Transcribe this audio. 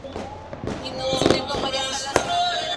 Tiene un cine con varias salas y una bolera.